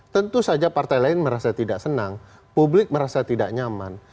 tentu saja partai lain merasa tidak senang publik merasa tidak nyaman